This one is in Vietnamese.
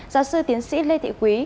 giáo sư tiến sĩ lê thị quý